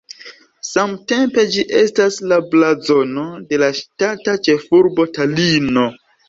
Samtempe ĝi estas la blazono de la ŝtata ĉefurbo Talino.